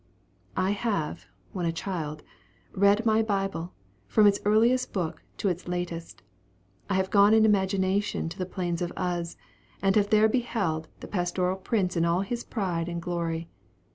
I have, when a child, read my Bible, from its earliest book to its latest. I have gone in imagination to the plains of Uz, and have there beheld the pastoral prince in all his pride and glory.